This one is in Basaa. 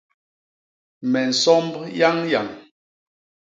Me nsomb yañyañ.